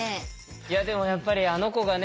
いやでもやっぱりあの子がね